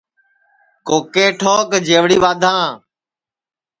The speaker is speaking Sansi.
کوکے ٹھوک جئوڑی بادھاں